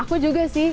aku juga sih